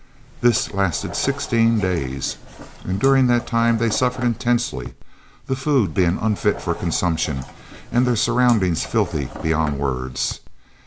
This lasted sixteen days, and during that time they suffered intensely, the food being unfit for consumption and their surroundings filthy beyond words.